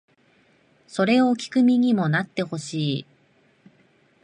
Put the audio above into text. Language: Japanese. それを聴く身にもなってほしい